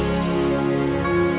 terima kasih atas dukungan anda